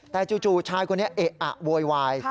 แต่จู่ชายคนนี้เอะอะโวยวาย